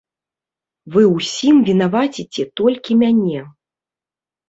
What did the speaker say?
Вы ўсім вінаваціце толькі мяне.